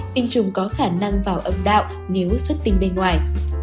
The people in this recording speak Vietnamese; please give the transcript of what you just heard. hai tình trùng có khả năng vào âm đạo nếu xuất tinh bên ngoài